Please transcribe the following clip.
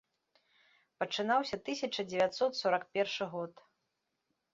Пачынаўся тысяча дзевяцьсот сорак першы год.